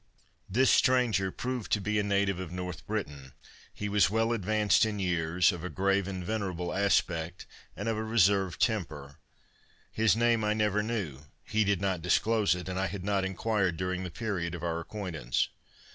This stranger proved to be a native of North Britain; he was well advanced in years, of a grave and venerable aspect, and of a reserved temper. His name I never knew, he did not disclose it, and I had not inquired during the period of our acquaintance.